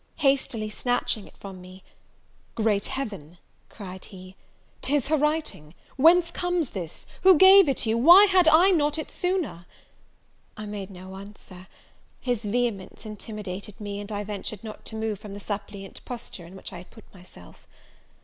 Hastily snatching it from me, "Great Heaven!" cried he, "'tis her writing Whence comes this? who gave it you why had I it not sooner?" I made no answer; his vehemence intimidated me, and I ventured not to move from the suppliant posture in which I had put myself.